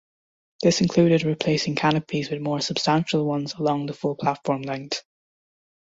This included replacing canopies with more substantial ones along the full platform length.